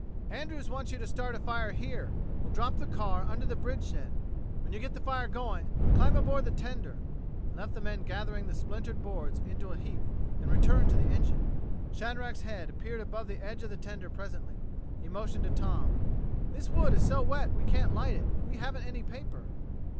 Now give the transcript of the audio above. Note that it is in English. "Andrews wants you to start a fire here. We'll drop the car under the bridge shed. When you get the fire going, climb aboard the tender." He left the men gathering the splintered boards into a heap, and returned to the engine. Shadrack's head appeared above the edge of the tender presently. He motioned to Tom. "This wood is so wet we can't light it. We haven't any paper."